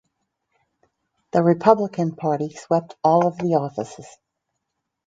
The Republican Party swept all of the offices.